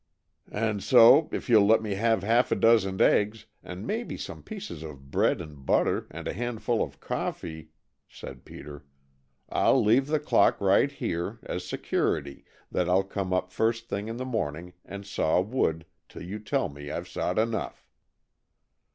"And so, if you'll let me have half a dozen eggs, and maybe some pieces of bread and butter and a handful of coffee," said Peter, "I'll leave the clock right here as security that I'll come up first thing in the morning and saw wood 'til you tell me I've sawed enough."